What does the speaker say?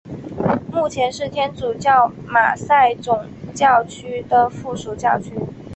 目前是天主教马赛总教区的附属教区。